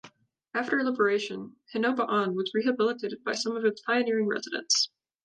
After Liberation, Hinoba-an was rehabilitated by some of its pioneering residents.